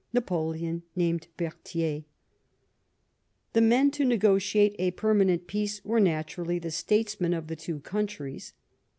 Napoleon named Berthier, The men to negotiate a permanent peace were^ naturally, the statesmen of the two countries.